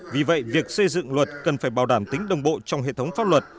vì vậy việc xây dựng luật cần phải bảo đảm tính đồng bộ trong hệ thống pháp luật